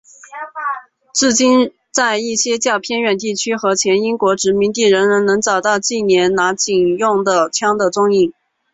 至今在一些较偏远地区和前英国殖民地仍然能够找到忌连拿警用枪的踪影。